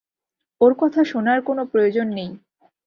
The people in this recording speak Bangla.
ওর কথা শোনার কোন প্রয়োজন নেই।